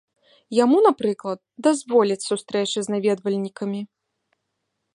Яму, напрыклад, дазволяць сустрэчы з наведвальнікамі.